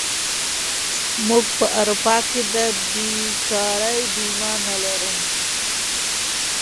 موږ په اروپا کې د بېکارۍ بیمه نه لرو.